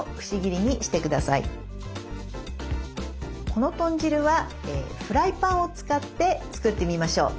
この豚汁はフライパンを使って作ってみましょう。